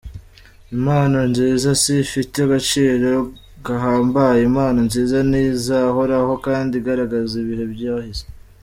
Impano nziza si ifite agaciro gahambaye, impano nziza ni izahoraho kandi igaragaza ibihe byahise.